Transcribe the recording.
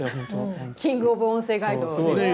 キング・オブ・音声ガイドですからはい。